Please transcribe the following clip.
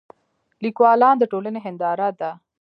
لیکوالان د ټولنې هنداره ده.